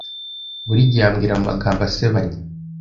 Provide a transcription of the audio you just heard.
Buri gihe ambwira amagambo asebanya.